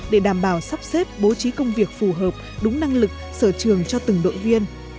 để đảm bảo sắp xếp bố trí công việc phù hợp đúng năng lực sở trường cho từng đội viên